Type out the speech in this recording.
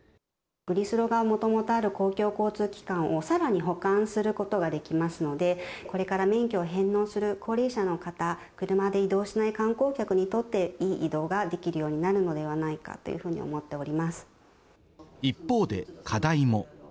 グリスロがもともとある公共交通機関をさらに補完することができますので、これから免許を返納する高齢者の方、車で移動しない観光客にとって、いい移動ができるようになるのではないかというふうに思っており一方で、課題も。